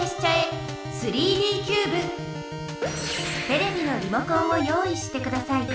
テレビのリモコンを用意してください。